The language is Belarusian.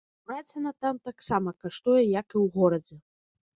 Кураціна там таксама каштуе, як і ў горадзе.